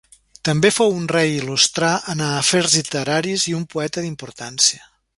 També fou un rei il·lustrar en afers literaris i un poeta d'importància.